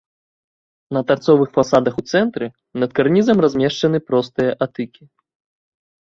На тарцовых фасадах у цэнтры над карнізам размешчаны простыя атыкі.